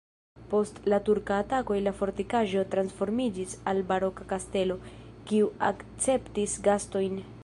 Post la turkaj atakoj la fortikaĵo transformiĝis al baroka kastelo, kiu akceptis gastojn.